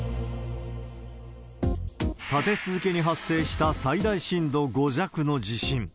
立て続けに発生した最大震度５弱の地震。